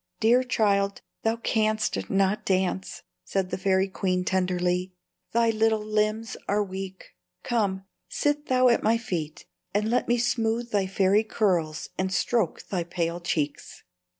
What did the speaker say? "Dear child, thou canst not dance," said the fairy queen, tenderly; "thy little limbs are weak. Come, sit thou at my feet, and let me smooth thy fair curls and stroke thy pale cheeks."